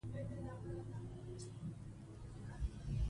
که نجونې زده کړه وکړي، نو ټولنه د پرمختګ او باور لور ته ځي.